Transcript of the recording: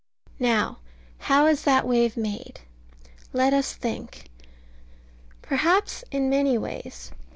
Now, how is that wave made? Let us think. Perhaps in many ways.